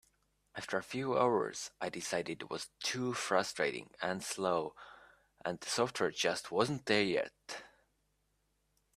After a few hours I decided it was too frustrating and slow, and the software just wasn't there yet.